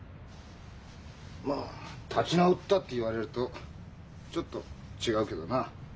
まあ「立ち直った」って言われるとちょっと違うけどな。